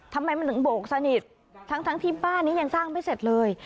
ทำไมมันถึงโบกสนิททั้งที่บ้านนี้ยังสร้างไม่เสร็จเลย